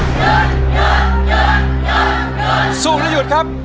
สู้หรือหยุดครับ